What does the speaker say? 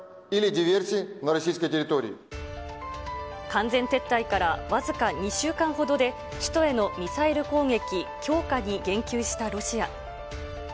完全撤退から僅か２週間ほどで、首都へのミサイル攻撃強化に言及したロシア。